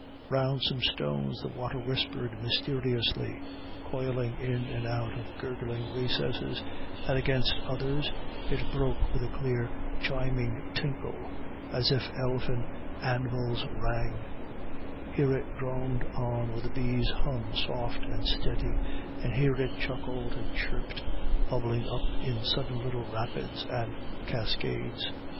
Round some stones the water whispered mysteriously, coiling in and out of gurgling recesses, and against others it broke with a clear chiming tinkle as if elfin anvils rang; here it droned on with a bee's hum soft and steady, and here it chuckled and chirped, bubbling up in sudden little rapids and cascades.